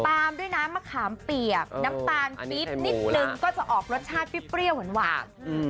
ตามด้วยน้ำมะขามเปียกน้ำตาลปี๊บนิดนึงก็จะออกรสชาติเปรี้ยวหวาน